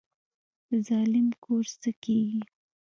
د ظالم کور څه کیږي؟